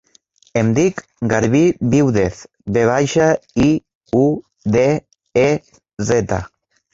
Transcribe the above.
Em dic Garbí Viudez: ve baixa, i, u, de, e, zeta.